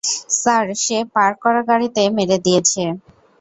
Sir, সে park করা গাড়িতে মেরে দিয়েছে।